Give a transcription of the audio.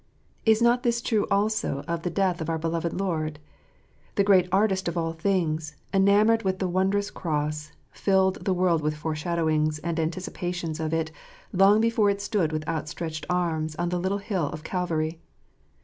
Is not this true also of the death of our beloved Lord ? 7 he Great Artist of all things, enamoured with the wondrous cross, filled the world with foreshadowings and anticipations of it long before it stood with outstretched arms on the little hill of Calvary.